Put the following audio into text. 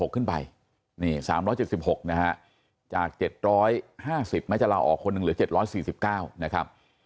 ๓๗๖ขึ้นไปนี่๓๗๖นะฮะจาก๗๕๐มัจจาระออกคนหนึ่งเหลือ๗๔๙นะครับ